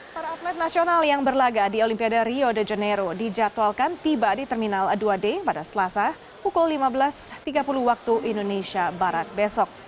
para atlet nasional yang berlaga di olimpiade rio de janeiro dijadwalkan tiba di terminal dua d pada selasa pukul lima belas tiga puluh waktu indonesia barat besok